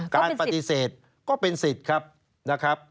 การปฏิเสธก็เป็นสิทธิ์ครับ